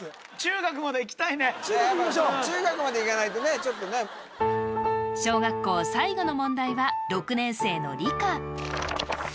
中学いきましょう中学までいかないとねちょっとね小学校最後の問題は６年生の理科